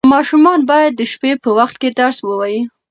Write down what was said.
ماشومان باید د شپې په وخت کې درس ووایي.